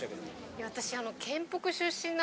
いや私。